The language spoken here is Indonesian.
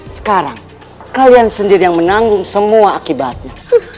sekarang kalian sendiri yang menanggung semua akibatnya